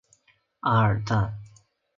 阿尔赞。